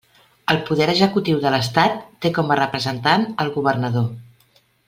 El poder executiu de l'estat té com a representant el governador.